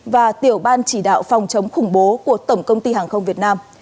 và tiểu ban chỉ đạo phòng chống khủng bố của tổng công ty hàng không việt nam